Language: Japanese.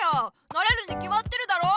なれるにきまってるだろ。